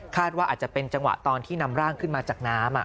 ว่าอาจจะเป็นจังหวะตอนที่นำร่างขึ้นมาจากน้ำ